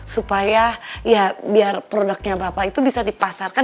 supaya ya biar produknya bapak itu bisa dipasarkan